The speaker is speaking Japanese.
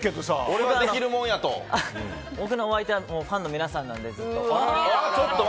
僕のお相手はファンの皆さんなのでずっと。